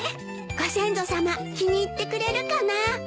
ご先祖さま気に入ってくれるかな？